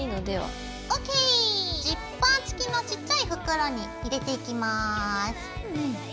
ジッパー付きのちっちゃい袋に入れていきます。